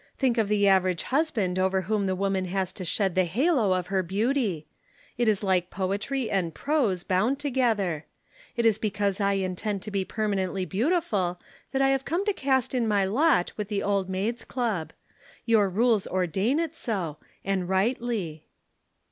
Think of the average husband over whom the woman has to shed the halo of her beauty. It is like poetry and prose bound together. It is because I intend to be permanently beautiful that I have come to cast in my lot with the Old Maids' Club. Your rules ordain it so and rightly."